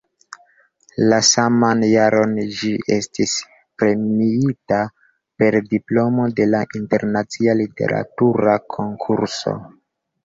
La saman jaron ĝi estis premiita per diplomo de la internacia literatura konkurso.